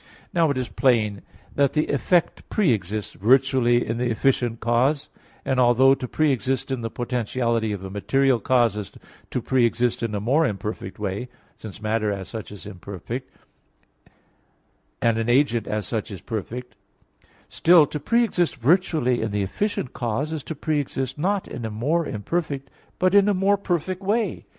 Now it is plain that the effect pre exists virtually in the efficient cause: and although to pre exist in the potentiality of a material cause is to pre exist in a more imperfect way, since matter as such is imperfect, and an agent as such is perfect; still to pre exist virtually in the efficient cause is to pre exist not in a more imperfect, but in a more perfect way.